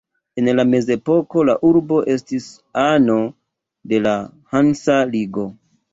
En la Mezepoko la urbo estis ano de la Hansa Ligo.